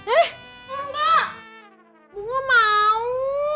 eh enggak bunga mau